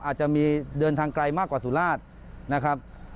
อาจจะมีเดินทางไกลมากกว่าสุราชนะครับ